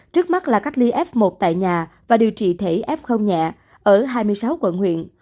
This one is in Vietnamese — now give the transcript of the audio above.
trước mắt là cách ly f một tại nhà và điều trị thể f nhẹ ở hai mươi sáu quận huyện